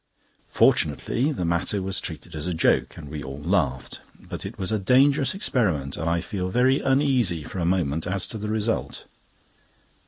Fortunately the matter was treated as a joke, and we all laughed; but it was a dangerous experiment, and I felt very uneasy for a moment as to the result.